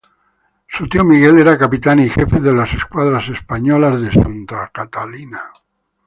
Su tío Miguel era capitán y jefe de las escuadras españolas de ¨Santa Catalina¨.